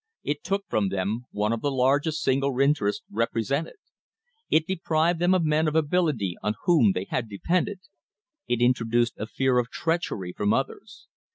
It took from them one of the largest single interests represented. It deprived them of men of ability on whom they had depended. It introduced a fear of treachery from others.